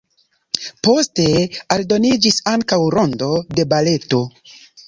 Poste aldoniĝis ankaŭ rondo de baleto.